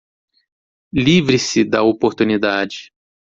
Livre-se da oportunidade